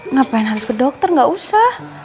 ngapain harus ke dokter gak usah